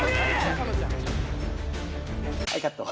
はい、カット。